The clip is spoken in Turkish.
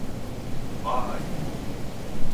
Vaay!